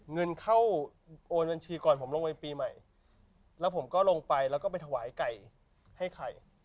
เงินเข้าโอนบัญชีก่อนผมลงไปปีใหม่แล้วผมก็ลงไปแล้วก็ไปถวายไก่ให้ไข่